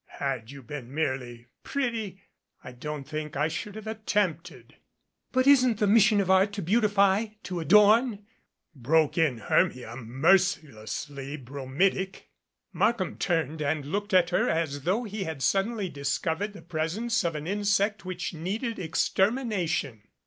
"Had you been merely pretty I don't think I should have attempted " "But isn't the mission of Art to beautify to adorn ?" broke in Hermia, mercilessly bromidic. Markham turned and looked at her as though he had suddenly discovered the presence of an insect which needed extermination.